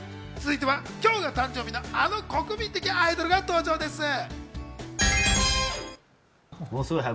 続いては今日が誕生日のあの国民的アイドルが登場です。